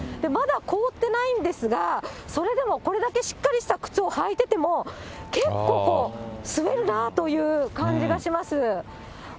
まだ凍ってないんですが、それでもこれだけしっかりした靴を履いてても、結構、こう、滑るなという感じがします。